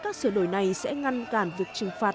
các sửa đổi này sẽ ngăn cản việc trừng phạt